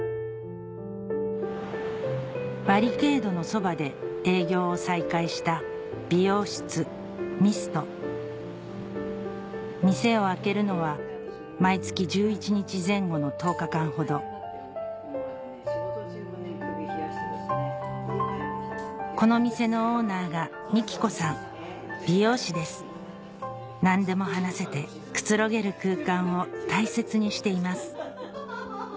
バリケードのそばで営業を再開した店を開けるのは毎月１１日前後の１０日間ほどこの店のオーナーが幹子さん美容師です何でも話せてくつろげる空間を大切にしています